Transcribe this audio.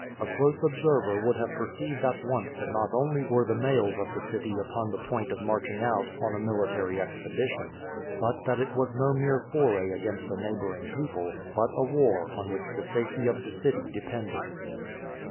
A close observer would have perceived at once that not only were the males of the city upon the point of marching out on a military expedition, but that it was no mere foray against a neighboring people, but a war on which the safety of the city depended.